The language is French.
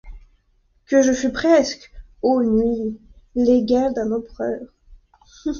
Que je fus presque, ô Nuit, l'égal d'un empereur !